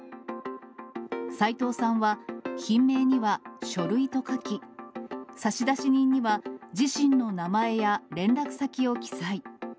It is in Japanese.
斉藤さんは、品名には書類と書き、差出人には自身の名前や、連絡先を記載。